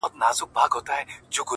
ډيره ژړا لـــږ خـــنــــــــــدا’